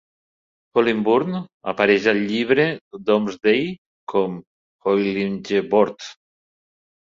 Hollingbourne apareix al Llibre Domesday com "Hoilingeborde".